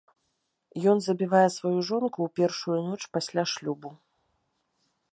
Ён забівае сваю жонку ў першую ноч пасля шлюбу.